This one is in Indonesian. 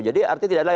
jadi artinya tidak ada